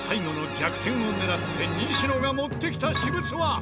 逆転を狙って西野が持ってきた巨大私物とは？